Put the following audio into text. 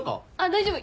大丈夫。